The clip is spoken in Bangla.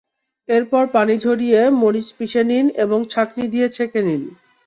এরপর পানি ঝরিয়ে মরিচ পিষে নিন এবং ছাঁকনি দিয়ে ছেঁকে নিন।